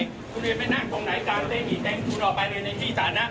คุณจะไปนั่งตรงไหนตามเต้นหินแจ้งคุณออกไปเลยในพี่สาธารณะ